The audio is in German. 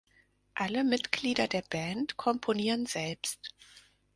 Alle Mitglieder der Band komponieren selbst.